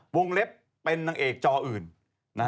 เล็บเป็นนางเอกจออื่น